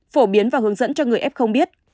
phổ biến và hướng dẫn cho người f biết